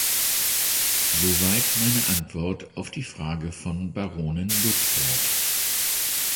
So weit meine Antwort auf die Frage von Baronin Ludford.